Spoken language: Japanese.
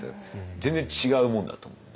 全然違うもんだと思うんで。